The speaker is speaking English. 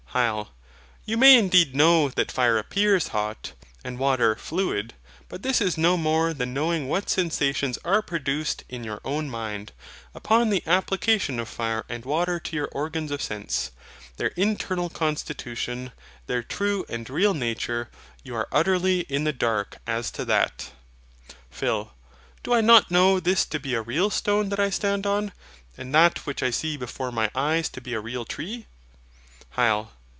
HYL. You may indeed know that fire appears hot, and water fluid; but this is no more than knowing what sensations are produced in your own mind, upon the application of fire and water to your organs of sense. Their internal constitution, their true and real nature, you are utterly in the dark as to THAT. PHIL. Do I not know this to be a real stone that I stand on, and that which I see before my eyes to be a real tree? HYL.